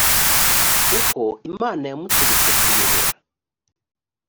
uko imana yamutegetse kuyobora